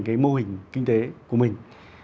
cái mô hình kinh tế của mình